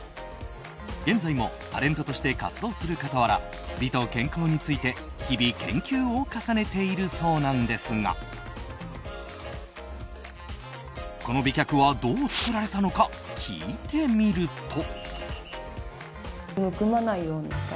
現在もタレントとして活動する傍ら美と健康について、日々研究を重ねているそうなんですがこの美脚はどう作られたのか聞いてみると。